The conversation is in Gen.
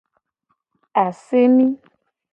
Asemi.